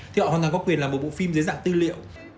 thì họ hoàn toàn có quyền là một bộ phim dưới dạng tư liệu